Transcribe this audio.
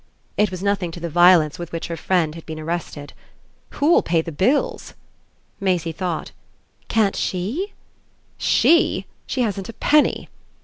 It was nothing to the violence with which her friend had been arrested. "Who'll pay the bills?" Maisie thought. "Can't SHE?" "She? She hasn't a penny."